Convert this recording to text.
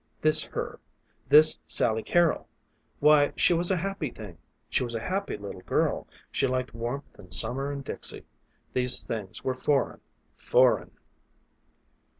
This her this Sally Carrol! Why, she was a happy thing. She was a happy little girl. She liked warmth and summer and Dixie. These things were foreign foreign.